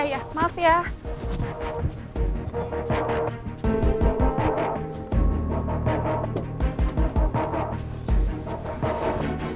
ini dia mbak mbak